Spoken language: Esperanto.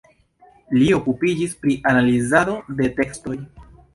Li okupiĝis pri analizado de tekstoj.